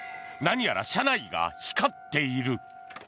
何やら車内が光っている。